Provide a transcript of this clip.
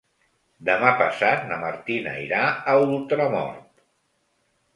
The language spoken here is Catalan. Demà passat na Martina irà a Ultramort.